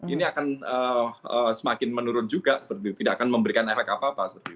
ini akan semakin menurun juga tidak akan memberikan efek apa apa